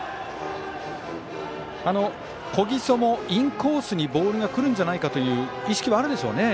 小木曽もインコースにボールが来るんじゃないかという意識はあるでしょうね。